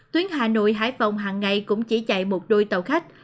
tuyến hà nội hải phòng hàng ngày cũng chỉ chạy một đôi tàu khách